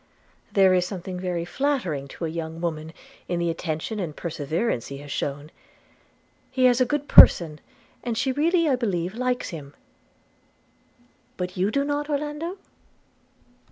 There is something very flattering to a young woman in the attention and perseverance he has shewn. He has a good person, and she really I believe likes him.' 'But you do not, Orlando?'